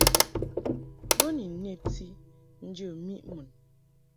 Bo ni nnebti njə miʼ mun.